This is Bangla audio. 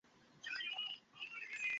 ফ্লাইটে যাওয়ার পরিকল্পনা দেখ।